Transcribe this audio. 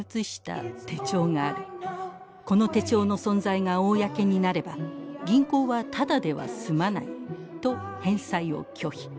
この手帖の存在が公になれば銀行はただでは済まない」と返済を拒否。